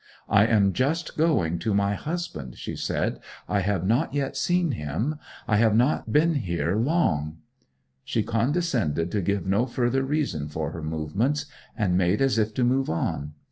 'I am just going to my husband,' she said. 'I have not yet seen him. I have not been here long.' She condescended to give no further reason for her movements, and made as if to move on.